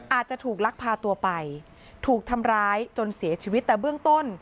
อาจจะถูกลักพาตัวไปถูกทำร้ายจนเสียชีวิตแต่เบื้องต้น